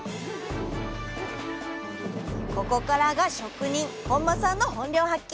ここからが職人本間さんの本領発揮。